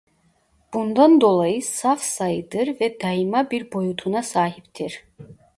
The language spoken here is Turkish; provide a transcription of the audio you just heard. Bundan dolayı "saf" sayıdır ve daima bir boyutuna sahiptir.